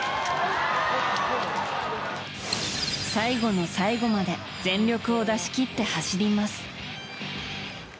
最後の最後まで全力を出し切って走ります。